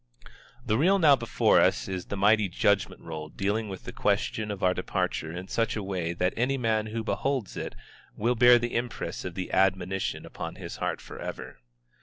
The reel now before us is the mighty judgment roll dealing with the question of our departure in such a way that any man who beholds it will bear the impress of the admonition upon his heart forever.